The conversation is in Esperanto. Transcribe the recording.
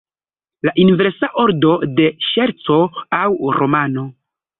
La inversa ordo de ŝerco aŭ romano.